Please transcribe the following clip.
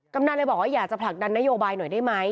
ำนันเลยบอกว่าอยากจะผลักดันนโยบายหน่อยได้ไหม